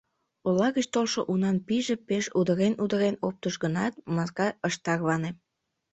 Ола гыч толшо унан пийже пеш удырен-удырен оптыш гынат, маска ыш тарване.